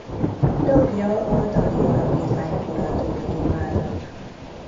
Tagja a Dali Alapítvány Kuratóriumának.